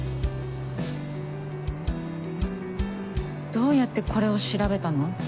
どうやってこれを調べたの？